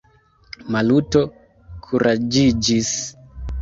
Maluto kuraĝiĝis.